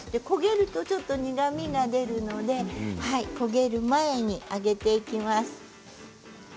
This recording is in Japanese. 焦げるとちょっと苦みが出るので焦げる前に上げていきます。